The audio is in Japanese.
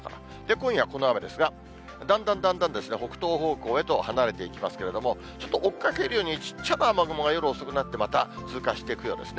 今夜この雨ですが、だんだんだんだんですね、北東方向へと離れていきますけれども、ちょっと追っかけるように小っちゃな雨雲が夜遅くなって、また通過していくようですね。